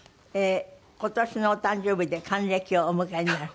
今年のお誕生日で還暦をお迎えになる。